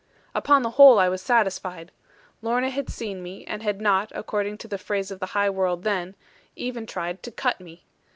Upon the whole I was satisfied. Lorna had seen me, and had not (according to the phrase of the high world then) even tried to 'cut' me.